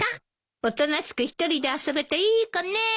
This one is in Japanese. おとなしく一人で遊べていい子ね。